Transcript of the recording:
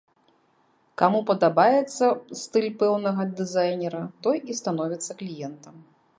Каму падабаецца стыль пэўнага дызайнера, той і становіцца кліентам.